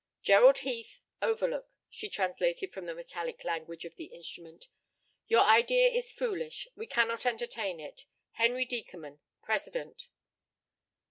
"Gerald Heath, Overlook," she translated from the metallic language of the instrument. "Your idea is foolish. We cannot entertain it. Henry Deckerman, president."